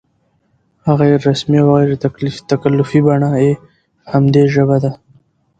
غیر رسمي او غیر تکلفي بڼه یې په همدې ژبه ده.